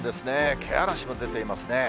けあらしも出ていますね。